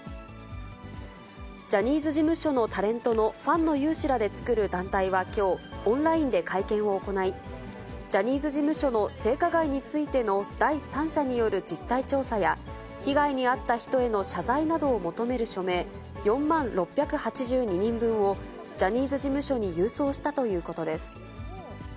ジャニーズ事務所のタレントのファンの有志らで作る団体はきょう、オンラインで会見を行い、ジャニーズ事務所の性加害についての第三者による実態調査や、被害に遭った人への謝罪などを求める署名４万６８２人分をジャニーズ事務所に郵送したということです。